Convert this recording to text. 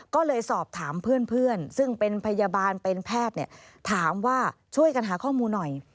ก็เลยสอบถามเพื่อนซึ่งเป็นพยาบาลเป็นแพทย์ถามว่าช่วยกันหาข้อมูลหน่อย